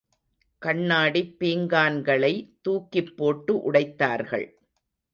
கண்ணாடிப் பீங்கான்களை தூக்கிப்போட்டு உடைத்தார்கள்.